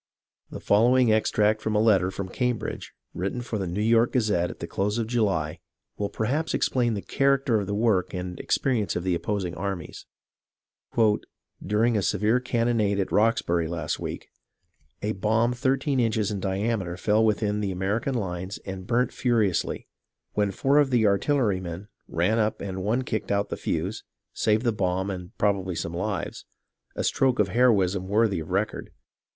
The following extract from a letter from Cambridge, written for the New York Gazette at the close of July, will perhaps explain the character o''E the work and experience of the opposing armies :—" During a severe cannonade at Roxbury last week, a bomb thirteen inches in diameter fell within the American lines and burnt furiously, when four of the artillerymen ran up and one kicked out the fuse, saved the bomb and probably some lives — a stroke of heroism worthy of record.